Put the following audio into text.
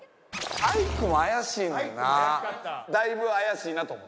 アイクも怪しいんだなだいぶ怪しいなと。